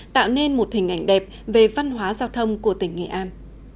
tạo nên một hình ảnh đẹp về văn hóa giao thông của tỉnh nghệ an